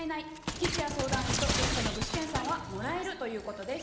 吉弥相談員とゲストの具志堅さんは「もらえる」ということです。